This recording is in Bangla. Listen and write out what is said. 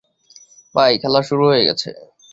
ভাই, খেলা শুরু হয়ে গেছে।